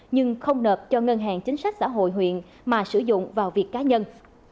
nhưng không nợp cho ngân hàng chính sách xã hội huyện mà sử dụng vào việc cá nhân